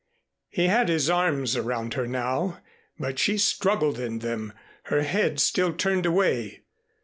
He had his arms around her now; but she struggled in them, her head still turned away.